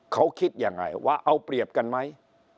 เขาคิดยังไงว่าเอาเปรียบกันไหม